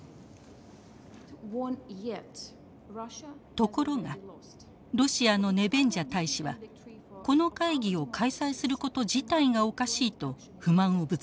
ところがロシアのネベンジャ大使はこの会議を開催すること自体がおかしいと不満をぶつけました。